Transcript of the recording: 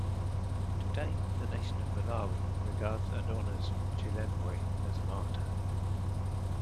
Today the nation of Malawi regards and honors Chilembwe as a martyr.